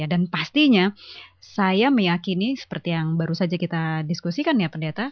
dan pastinya saya meyakini seperti yang baru saja kita diskusikan ya pendeta